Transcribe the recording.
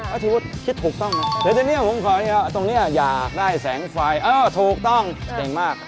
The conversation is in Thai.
เอ้าคิดถูกต้องนะนี่ผมขอทีล่ะตรงเนี้ยอยากได้แสงไฟเอ๊าถูกต้องเก่งมาก